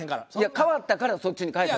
変わったからそっちに変えた。